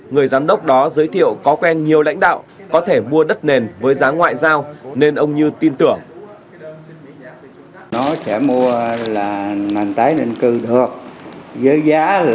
người giám đốc đó giới thiệu có quen nhiều lãnh đạo có thể mua đất nền với giá ngoại giao nên ông như tin tưởng